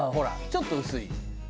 ちょっと薄い。